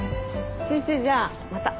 先生じゃあまた。